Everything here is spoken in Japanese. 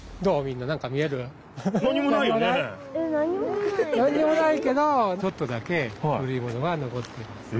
なんにもないけどちょっとだけ古いものが残ってるんです。